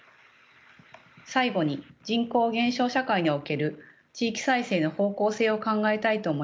最後に人口減少社会における地域再生の方向性を考えたいと思います。